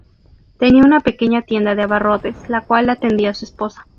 Tenía una pequeña tienda de abarrotes la cual atendía su esposa.